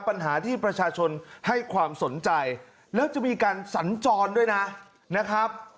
ปัญหาที่ประชาชนให้ความสนใจแล้วจะมีการสัญจรด้วยนะครับ